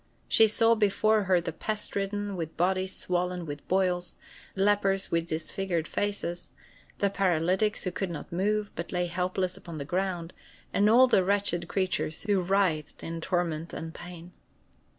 She saw before her the pest ridden, with bodies swollen with boils; lepers with disfigured faces; the paralytics, who could not move, but lay helpless upon the ground, and all the wretched creatures who writhed in torment and pain.